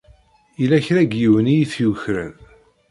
Yella kra n yiwen i yi-t-yukren.